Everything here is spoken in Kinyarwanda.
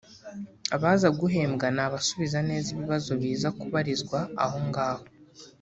Abaza guhembwa n’abasubiza neza ibibazo biza kubarizwa aho ngaho